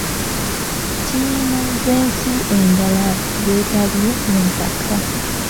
Ttiimi z'ensi endala zeetabye mu mpaka.